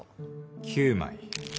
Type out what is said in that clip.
９枚。